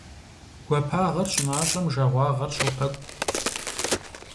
Гуапагъэр щымащӀэм жагъуагъэр щопэкӀу.